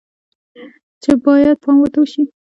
چې باید پام ورته شي